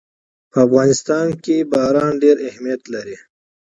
په افغانستان کې باران ډېر اهمیت لري.